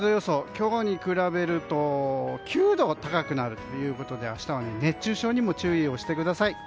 今日に比べると９度高くなるということで明日は熱中症にも注意をしてください。